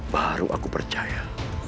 baru aku percaya